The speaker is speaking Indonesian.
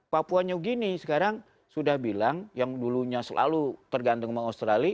papuanya gini sekarang sudah bilang yang dulunya selalu tergantung sama australia